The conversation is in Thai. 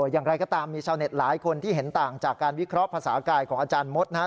อย่างไรก็ตามมีชาวเน็ตหลายคนที่เห็นต่างจากการวิเคราะห์ภาษากายของอาจารย์มดนะครับ